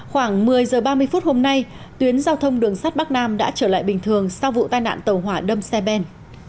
khoảng một mươi h ba mươi phút hôm nay tuyến giao thông đường sắt bắc nam đã trở lại bình thường sau vụ tai nạn tàu hỏa đâm xe ben